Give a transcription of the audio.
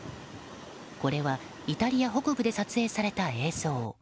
これはイタリア北部で撮影された映像。